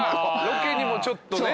ロケにもちょっとね。